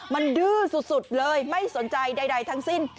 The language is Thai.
มันดื้อสุดเลยไม่สนใจใดทั้งสิ้น